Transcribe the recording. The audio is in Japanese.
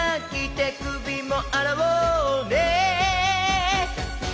「てくびもあらおうねー！」